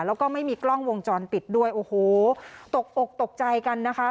แล้วก็ไม่มีกล้องวงจรปิดด้วยโอ้โหตกอกตกใจกันนะคะ